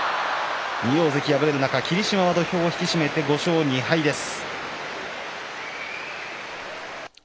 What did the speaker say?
２大関敗れる中、霧島は土俵を引き締めて、５勝２敗です。